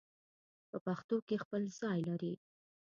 په پښتو کې خپل ځای لري